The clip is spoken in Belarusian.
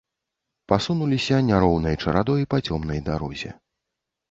Пасунуліся няроўнай чарадой па цёмнай дарозе.